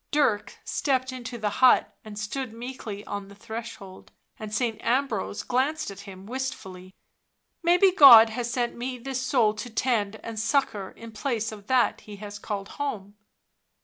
Dirk stepped into the hut and stood meekly on the threshold, and Saint Ambrose glanced at him wist fully. " Maybe God has sent me this soul to tend and succour in place of that He has called home."